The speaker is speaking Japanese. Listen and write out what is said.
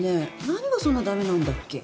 何がそんな駄目なんだっけ？